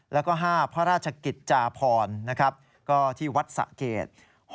แล้วก็๕พระราชกิจจาพรที่วัดสะเกด